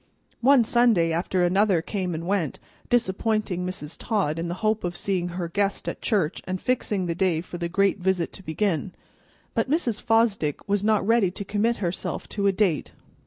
One Sunday after another came and went, disappointing Mrs. Todd in the hope of seeing her guest at church and fixing the day for the great visit to begin; but Mrs. Fosdick was not ready to commit herself to a date.